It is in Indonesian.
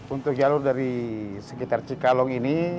untuk jalur dari sekitar cikalong ini